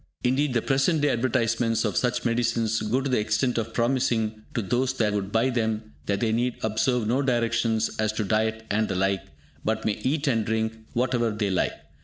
Indeed the present day advertisments of such medicines go to the extent of promising to those that would buy them that they need observe no directions as to diet and the like, but may eat and drink whatever they like.